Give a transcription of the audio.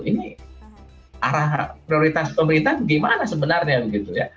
ini arah prioritas pemerintah gimana sebenarnya begitu ya